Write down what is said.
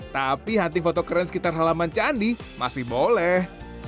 tapi hunting foto keren sekitar halaman candi masih boleh